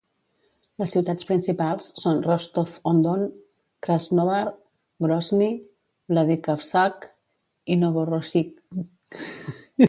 Les ciutats principals són Rostov-on-Don, Krasnodar, Grozny, Vladikavkaz i Novorossiysk.